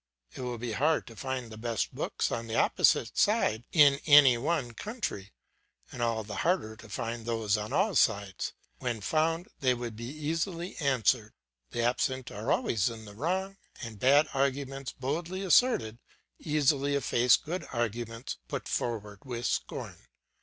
It will be hard to find the best books on the opposite side in any one country, and all the harder to find those on all sides; when found they would be easily answered. The absent are always in the wrong, and bad arguments boldly asserted easily efface good arguments put forward with scorn.